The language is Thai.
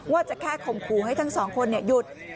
ว่าจะแค่ข่มขู่ให้ทั้งสองคนหยุด